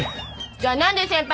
じゃあ何で先輩